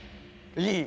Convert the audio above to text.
いい。